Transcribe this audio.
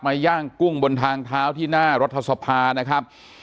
ย่างกุ้งบนทางเท้าที่หน้ารัฐสภานะครับ